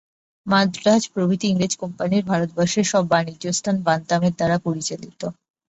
মান্দ্রাজ প্রভৃতি ইংরেজী কোম্পানির ভারতবর্ষের সব বাণিজ্যস্থান বান্তামের দ্বারা পরিচালিত।